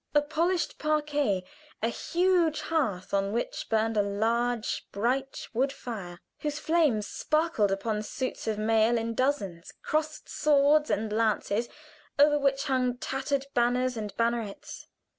A polished parquet a huge hearth on which burned a large bright wood fire, whose flames sparkled upon suits of mail in dozens crossed swords and lances, over which hung tattered banners and bannerets.